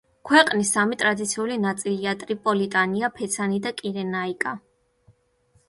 ქვეყნის სამი ტრადიციული ნაწილია: ტრიპოლიტანია, ფეცანი და კირენაიკა.